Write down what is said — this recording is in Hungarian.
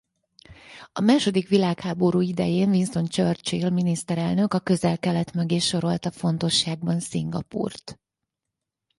A második világháború idején Winston Churchill miniszterelnök a Közel-Kelet mögé sorolta fontosságban Szingapúrt.